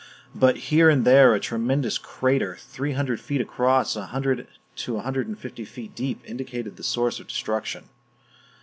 But here and there a tremendous crater, three hundred feet across and a hundred to a hundred and fifty feet deep, indicated the source of the destruction.